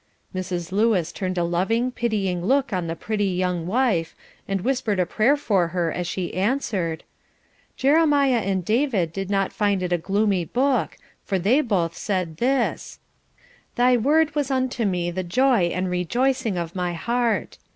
Mrs. Lewis turned a loving, pitying look on the pretty young wife, and whispered a prayer for her as she answered: "Jeremiah and David did not find it a gloomy book, for they both said this: 'Thy word was unto me the joy and rejoicing of my heart.'